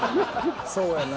そうやな。